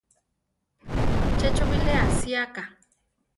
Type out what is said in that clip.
Che cho bilé asiáka.